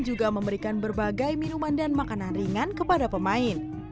juga memberikan berbagai minuman dan makanan ringan kepada pemain